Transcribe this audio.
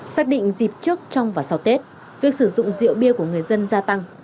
xác định dịp trước trong và sau tết việc sử dụng rượu bia của người dân gia tăng